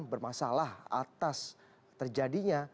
bermasalah atas terjadinya